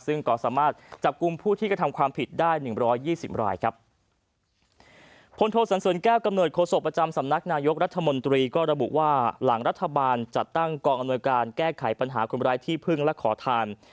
ซึ่งก็สามารถจับกลุ่มผู้ที่กระทำความผิดได้หนึ่งร้อยยี่สิบรายครับพลโทสันเสริญแก้วกำเนิดโศกประจำสำนักนายกรัฐมนตรีก็ระบุว่าหลังรัฐบาลจัดตั้งกองอำนวยการแก้ไขปัญหาคนร้ายที่พึ่งและขอทาน